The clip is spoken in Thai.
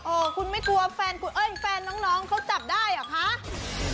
คุณไม่กลัวแฟนคุณเอ้ยแฟนน้องเขาจับได้เหรอคะ